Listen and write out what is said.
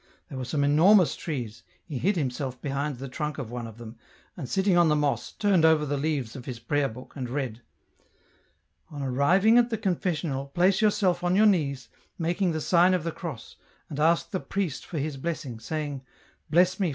There were some enormous trees, he hid himself behind the trunk of one of them, and sitting on the moss, turned over the leaves of his prayer book, and read :" On arriving at the confessional, place yourself on your knees, make the sign of the cross, and ask the priest for his blessing, saying, ' Bless me.